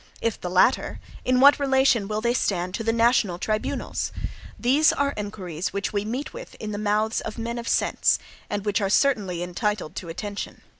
If the latter, in what relation will they stand to the national tribunals? These are inquiries which we meet with in the mouths of men of sense, and which are certainly entitled to attention.